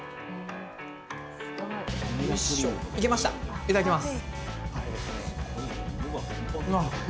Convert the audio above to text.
いただきます。